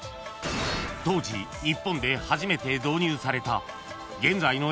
［当時日本で初めて導入された現在の］